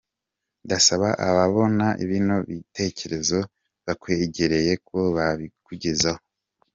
Ndasaba ababona bino bitecyerezo bakwegereye ko babikugezaho.